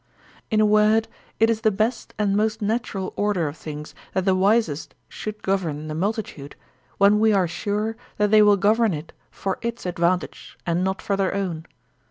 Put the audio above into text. In a word, it is the best and most natural order of things that the wisest should govern the multitude, when we are sure that they will govern it for its ad vantage and not for their own.